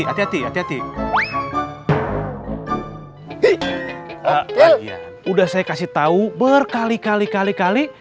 escape consideringah terguna udah saya kasih tahu berkali kali kali kali